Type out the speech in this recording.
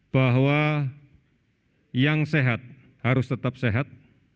bahwa yang sehat harus tetap sehat